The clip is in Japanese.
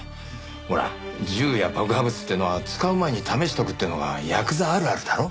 ほら銃や爆破物っていうのは使う前に試しとくってのが「ヤクザあるある」だろ。